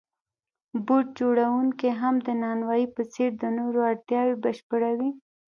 بوټ جوړونکی هم د نانوای په څېر د نورو اړتیاوې بشپړوي